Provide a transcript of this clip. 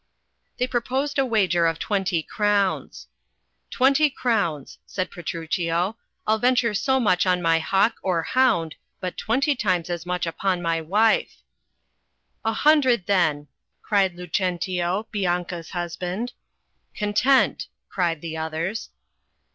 They proposed a wager of twenty crowns. "Twenty crowns/' said Petruchio, "I'll venture so much on my hawk or hound, but twenty times as much upon my wife.'* "A hundred then,'' cried Lucentio, Bianca's husband. "Content," cried the others.